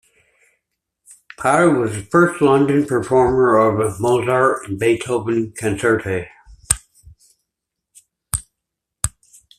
Potter was the first London performer of Mozart and Beethoven concerti.